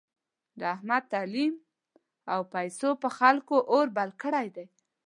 د احمد تعلیم او پیسو په خلکو اور بل کړی دی.